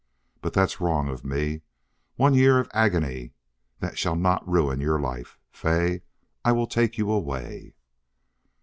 But that's wrong of me. One year of agony that shall not ruin your life. Fay, I will take you away."